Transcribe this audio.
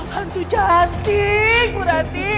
hantu cantik buranti